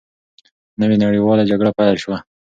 نوې نړیواله جګړه پیل شوه.